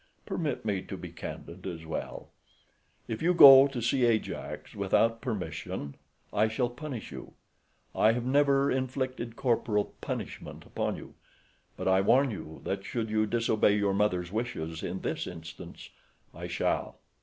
"Permit me to be candid, as well. If you go to see Ajax without permission, I shall punish you. I have never inflicted corporal punishment upon you, but I warn you that should you disobey your mother's wishes in this instance, I shall."